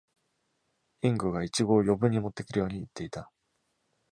Ying がイチゴを余分に持ってくるように言っていた。